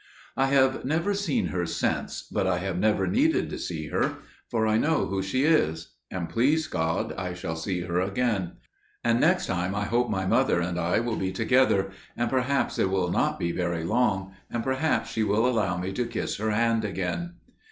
"I have never seen her since, but I have never needed to see her, for I know who she is; and, please God, I shall see her again; and next time I hope my mother and I will be together; and perhaps it will not be very long; and perhaps she will allow me to kiss her hand again.